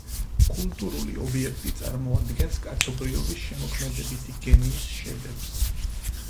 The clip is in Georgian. კულტურული ობიექტი წარმოადგენს კაცობრიობის შემოქმედებითი გენიის შედევრს.